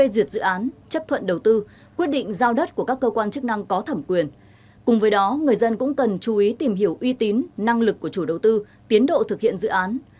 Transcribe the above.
việc chấp thuận đầu tư quyết định giao đất của các cơ quan chức năng có thẩm quyền cùng với đó người dân cũng cần chú ý tìm hiểu uy tín năng lực của chủ đầu tư tiến độ thực hiện dự án